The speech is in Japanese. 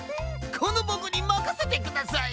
このボクにまかせてください！